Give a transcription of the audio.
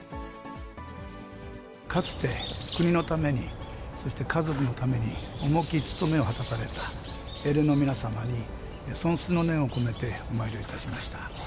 かつて国のために、そして家族のために、重き務めを果たされた英霊の皆様に尊崇の念を込めて、お参りをいたしました。